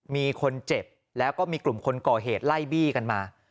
มีคนเจ็บแล้วก็มีกลุ่มคนก่อเหตุไล่บี้กันมา